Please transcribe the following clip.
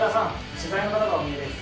取材の方がお見えです。